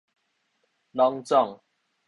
攏總